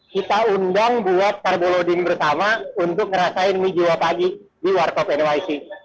kita undang buat carbo loading bersama untuk ngerasain mi jiwa pagi di workout nyc